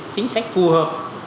chính sách phù hợp